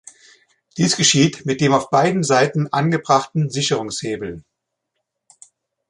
Dies geschieht mit dem auf beiden Seiten angebrachten Sicherungshebel.